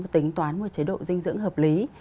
tính toán một chế độ dinh dưỡng hợp lý